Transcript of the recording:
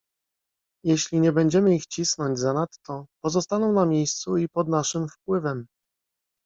"Jeśli nie będziemy ich cisnąć zanadto, pozostaną na miejscu i pod naszym wpływem."